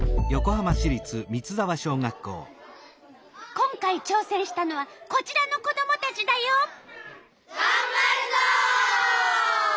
今回ちょうせんしたのはこちらの子どもたちだよ。がんばるぞ！